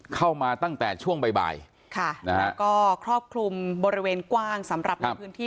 เข้ามาตั้งแต่ช่วงบ่ายค่ะนะฮะก็ครอบคลุมบริเวณกว้างสำหรับในพื้นที่